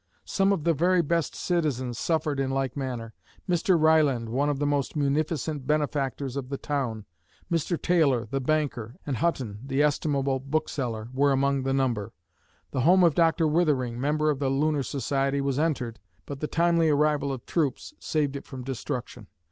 Some of the very best citizens suffered in like manner. Mr. Ryland, one of the most munificent benefactors of the town, Mr. Taylor, the banker, and Hutton, the estimable book seller, were among the number. The home of Dr. Withering, member of the Lunar Society, was entered, but the timely arrival of troops saved it from destruction.